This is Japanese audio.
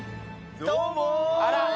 どうも！